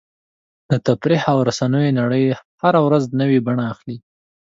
د تفریح او رسنیو نړۍ هره ورځ نوې بڼه اخلي.